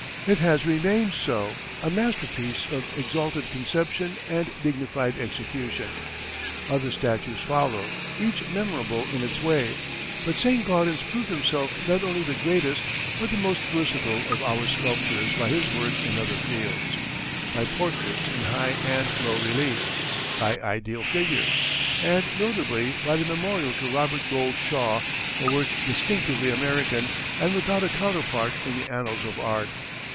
It has remained so a masterpiece of exalted conception and dignified execution. Other statues followed, each memorable in its way; but Saint Gaudens proved himself not only the greatest but the most versatile of our sculptors by his work in other fields by portraits in high and low relief, by ideal figures, and notably by the memorial to Robert Gould Shaw, a work distinctively American and without a counterpart in the annals of art.